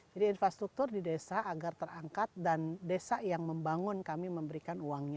jadi infrastruktur di desa agar terangkat dan desa yang membangun kami memberikan uangnya